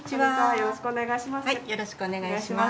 よろしくお願いします。